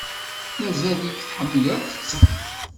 Mazal-ik tḥemmleḍ-tt?